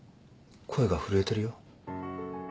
声が震えてるよ。